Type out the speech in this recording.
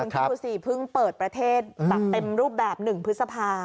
คุณผู้สิเพิ่งเปิดประเทศตัดเต็มรูปแบบหนึ่งพฤษภา